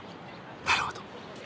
なるほど。